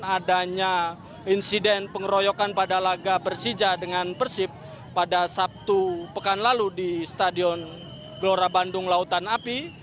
adanya insiden pengeroyokan pada laga persija dengan persib pada sabtu pekan lalu di stadion gelora bandung lautan api